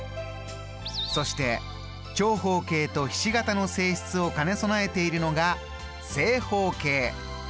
そして長方形とひし形の性質を兼ね備えているのが正方形。